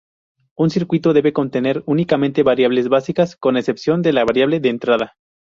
Un circuito debe contener únicamente variables básicas con excepción de la variable de entrada.